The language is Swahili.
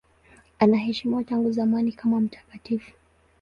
Anaheshimiwa tangu zamani kama mtakatifu.